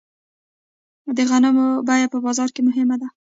د غنمو بیه په بازار کې مهمه ده.